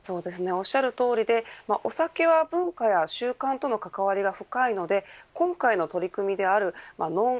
おっしゃるとおりでお酒は文化や習慣との関わりが深いので今回の取り組みであるのん